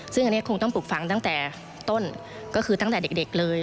ซึ่งอันนี้คงต้องปลูกฟังตั้งแต่ต้นก็คือตั้งแต่เด็กเลย